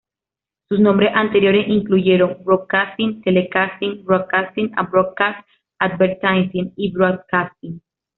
Sus nombres anteriores incluyeron "Broadcasting-Telecasting", "Broadcasting and Broadcast Advertising", y "Broadcasting".